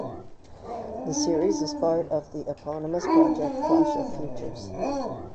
The series was part of the eponymous project Clash of Futures.